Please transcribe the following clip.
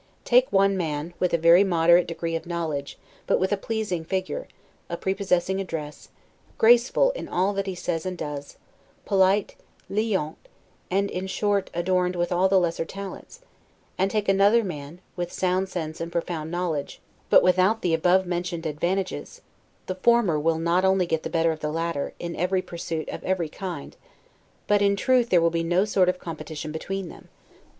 Take one man, with a very moderate degree of knowledge, but with a pleasing figure, a prepossessing address, graceful in all that he says and does, polite, 'liant', and, in short, adorned with all the lesser talents: and take another man, with sound sense and profound knowledge, but without the above mentioned advantages; the former will not only get the better of the latter, in every pursuit of every KIND, but in truth there will be no sort of competition between them.